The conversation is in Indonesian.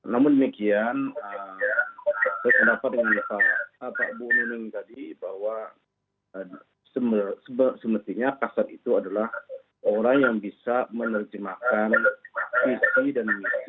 namun demikian saya terdapat dengan pak bu muning tadi bahwa sebetulnya ksad itu adalah orang yang bisa menerjemahkan visi dan misi